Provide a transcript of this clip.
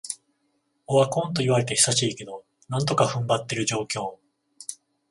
オワコンと言われて久しいけど、なんとか踏ん張ってる状況